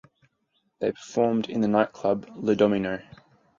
They performed in the nightclub Le Domino.